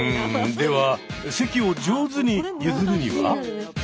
では席を上手に譲るには？